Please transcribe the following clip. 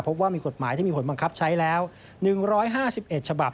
พบว่ามีกฎหมายที่มีผลบังคับใช้แล้ว๑๕๑ฉบับ